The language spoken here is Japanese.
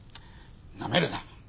なめるな。